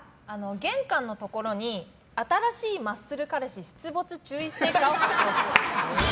玄関のところに新しいマッスル彼氏出没注意ステッカーを貼っておく。